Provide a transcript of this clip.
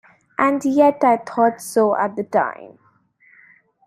And yet I thought so at the time!